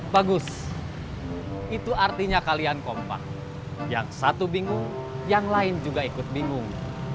bagus itu artinya kalian kompak yang satu bingung yang lain juga ikut bingung